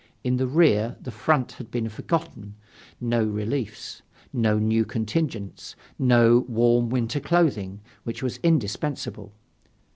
In the rear, the front had been forgotten no reliefs, no new contingents, no warm winter clothing, which was indispensable.